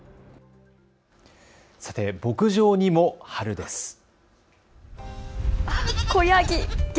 さて、牧場にも春です。